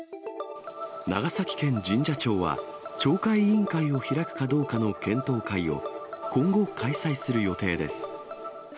長崎県神社庁は、懲戒委員会を開くかどうかの検討会を今後、開催する予定です。